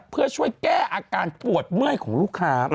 เพื่อช่วยแก้อาการปวดเมื่อยของลูกค้า